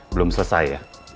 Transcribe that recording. belum selesai ya